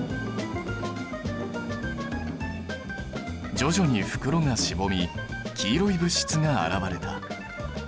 徐々に袋がしぼみ黄色い物質が現れた。